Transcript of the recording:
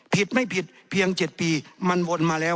ผิดไม่ผิดเพียง๗ปีมันวนมาแล้ว